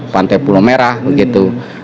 pantai pulau merah begitu